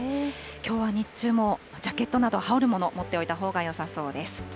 きょうは日中もジャケットなど、羽織るもの、持っておいたほうがよさそうです。